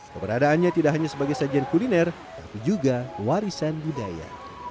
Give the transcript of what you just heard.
keberadaannya tidak hanya sebagai sajian kuliner tapi juga warisan budaya